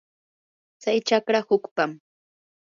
tsay chakra hukpam.